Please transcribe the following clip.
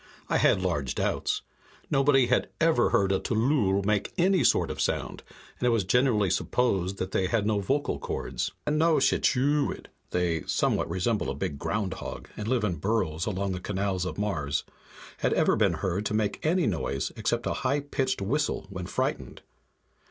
_ I had large doubts. Nobody had ever heard a tllooll make any sort of a sound, and it was generally supposed that they had no vocal chords. And no shiyooch'iid (they somewhat resemble a big groundhog, and live in burrows along the canals of Mars) had ever been heard to make any noise except a high pitched whistle when frightened.